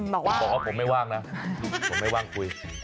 บอกว่าผมไม่ว่างนะผมไม่ว่างคุย